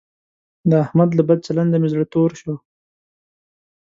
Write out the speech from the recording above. د احمد له بد چلنده مې زړه تور شو.